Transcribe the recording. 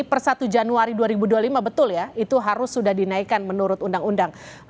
per satu januari dua ribu dua puluh lima betul ya itu harus sudah dinaikkan menurut undang undang